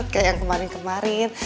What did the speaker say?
kayak yang kemarin kemarin